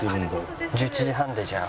１１時半でじゃあ。